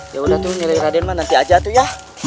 yaudah tuh nyari raden mah nanti aja tuh ya